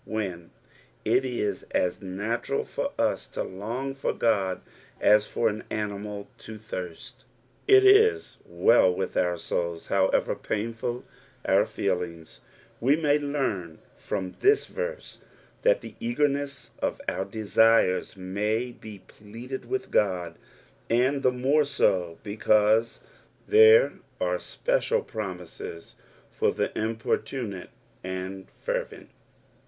When it is as natural for us to long for God as few an animal to thirst, it is well with our souta, however painful our fcelinga. We may Icam from this verso that the eagerness of our desires may be pleaded with God, and the more so, because there ure special promises for the importunate and fervent.